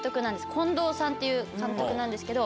近藤さんっていう監督なんですけど。